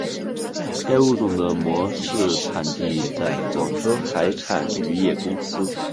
该物种的模式产地在广州海产渔业公司。